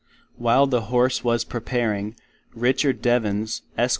While the Horse was preparing, Richard Devens, Esq.